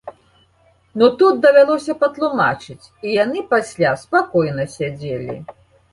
Ну тут давялося патлумачыць, і яны пасля спакойна сядзелі.